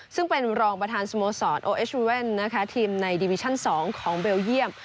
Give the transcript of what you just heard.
ซึ่งเป็นรองประธานสมสรรค์โอฮวิเวลทีมในดิวิชั่น๒ของเบลเยี่ยม